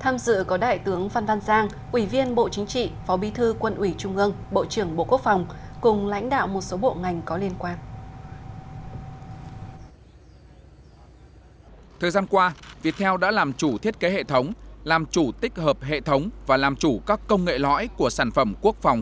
tham dự có đại tướng phan van giang ủy viên bộ chính trị phó bí thư quân ủy trung ương bộ trưởng bộ quốc phòng